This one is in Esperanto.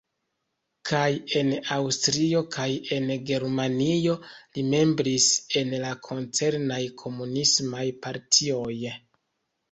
Kaj en Aŭstrio kaj en Germanio li membris en la koncernaj Komunismaj Partioj.